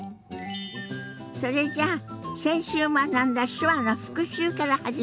それじゃあ先週学んだ手話の復習から始めましょ。